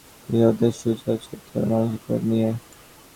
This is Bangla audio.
তৃতীয় অধ্যায় সু র চরিত্র এবং মনমানসিকতা নিয়ে।